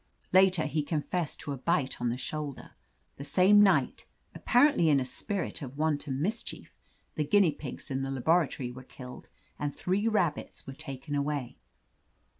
Later he confessed to a bite on the shoulder. The same night, apparently in a spirit of wanton mischief, the guinea pigs in the laboratory were killed and three rabbits were taken away.